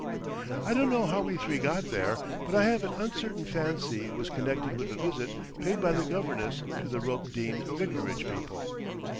I don't know how we three got there, but I have an uncertain fancy it was connected with a visit paid by the governess to the Ropedean vicarage people.